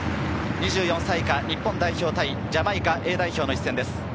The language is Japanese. ２４歳以下日本代表対ジャマイカＡ代表の一戦です。